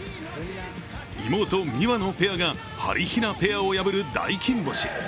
妹・美和のペアが、はりひなペアを破る大金星。